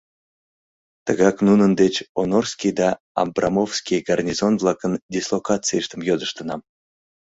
Тыгак нунын деч Онорский да Абрамовский гарнизон-влакын дислокацийыштым йодыштынам.